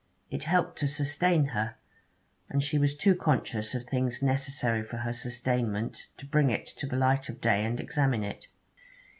It helped to sustain her; and she was too conscious of things necessary for her sustainment to bring it to the light of day and examine it.